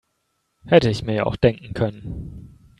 Hätte ich mir ja auch denken können.